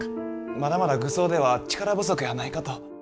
まだまだ愚僧では力不足やないかと。